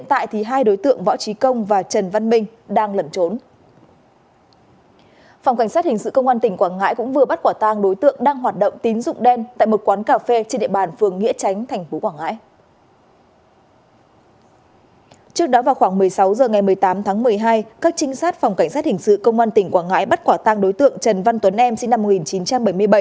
trước đó vào khoảng một mươi sáu h ngày một mươi tám tháng một mươi hai các trinh sát phòng cảnh sát hình sự công an tỉnh quảng ngãi bắt quả tăng đối tượng trần văn tuấn em sinh năm một nghìn chín trăm bảy mươi bảy